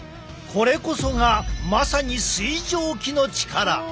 これこそがまさに水蒸気の力。